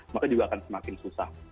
maka juga akan semakin susah